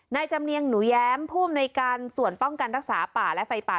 จำเนียงหนูแย้มผู้อำนวยการส่วนป้องกันรักษาป่าและไฟป่า